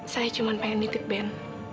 saya cuma pengen nitip band